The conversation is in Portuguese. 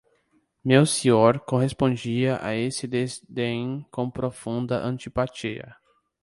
Melcior correspondia a esse desdém com profunda antipatia.